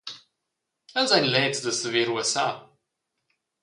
Els ein leds da saver ruassar.